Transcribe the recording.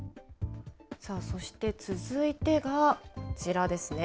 そして続いてがこちらですね。